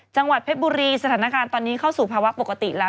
จังหวัดเพชรบุรีสถานการณ์ตอนนี้เข้าสู่ภาวะปกติแล้ว